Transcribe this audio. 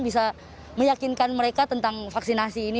bisa meyakinkan mereka tentang vaksinasi ini